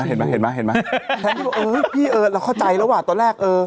ไอ้ลูกหลวงเห็นไหมแทนที่พี่เอิ้นเราเข้าใจแล้วว่ะตอนแรก